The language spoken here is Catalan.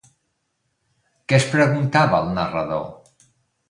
Què es preguntava el narrador?